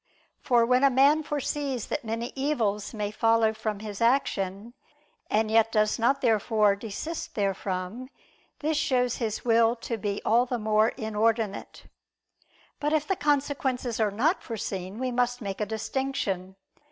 For when a man foresees that many evils may follow from his action, and yet does not therefore desist therefrom, this shows his will to be all the more inordinate. But if the consequences are not foreseen, we must make a distinction.